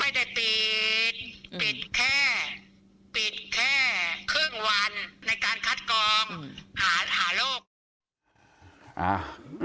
ไม่ได้ติดปิดแค่ปิดแค่ครึ่งวันในการคัดกองหาโรค